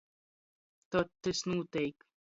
Tod tys nūteik.